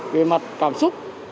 về mặt cảm xúc